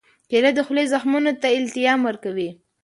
کېله د خولې زخمونو ته التیام ورکوي.